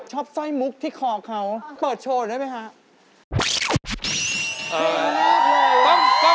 ชอบสร้อยมุคที่คอกเขาเขาเปิดโชว์ได้ไหมคะ